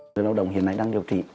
người lao động hiện nay đang điều trị